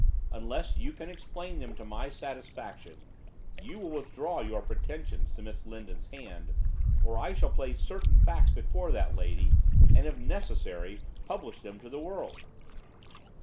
Unless you can explain them to my satisfaction, you will withdraw your pretensions to Miss Lindon's hand, or I shall place certain facts before that lady, and, if necessary, publish them to the world.